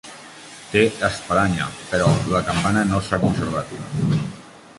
Té espadanya però la campana no s'ha conservat.